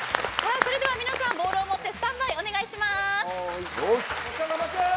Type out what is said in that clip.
それでは皆さんボールを持ってスタンバイお願いします。